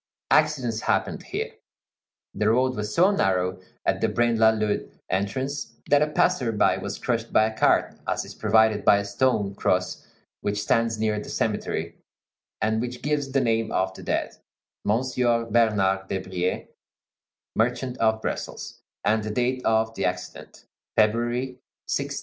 Accidents happened here. The road was so narrow at the Braine l'Alleud entrance that a passer by was crushed by a cart, as is proved by a stone cross which stands near the cemetery, and which gives the name of the dead, Monsieur Bernard Debrye, Merchant of Brussels, and the date of the accident, February, 1637.